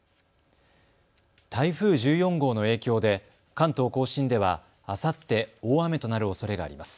台風１４号の影響で関東甲信では、あさって大雨となるおそれがあります。